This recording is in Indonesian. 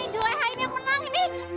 jelaihain yang menang ini